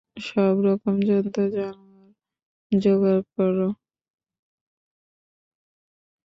সব রকম জন্তু-জানোয়ার যোগাড় কর।